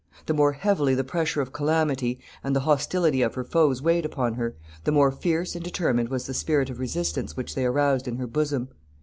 The more heavily the pressure of calamity and the hostility of her foes weighed upon her, the more fierce and determined was the spirit of resistance which they aroused in her bosom.